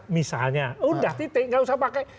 misalnya udah titik nggak usah pakai